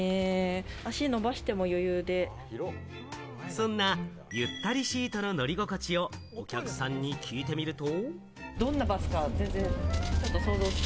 そんなゆったりシートの乗り心地をお客さんに聞いてみると。